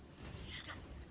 aja enggak klik